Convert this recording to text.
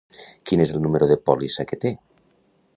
Quin és el número de pòlissa que té?